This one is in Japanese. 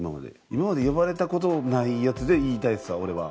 今まで呼ばれた事ないやつで言いたいですわ俺は。